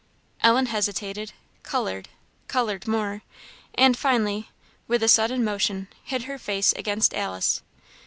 Ellen hesitated coloured coloured more and finally, with a sudden motion, hid her face against Alice.